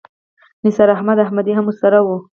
نثار احمد احمدي هم ورسره و.